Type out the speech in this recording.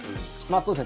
そうですね